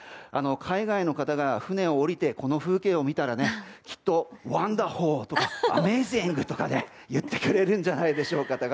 海外の方が船を降りてこの風景を見たらきっとワンダホー！とかアメイジング！とか言ってくれるんじゃないでしょうか。